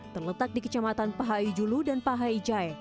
terletak di kecamatan pahai julu dan pahai ijaya